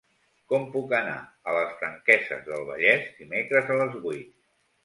Com puc anar a les Franqueses del Vallès dimecres a les vuit?